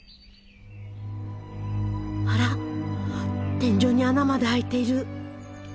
あら天井に穴まで開いてる。